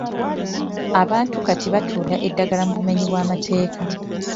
Abantu kati batunda eddagala mu bumenyi bw'amateeka.